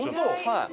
はい。